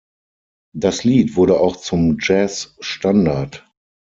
Das Lied wurde auch zum Jazzstandard.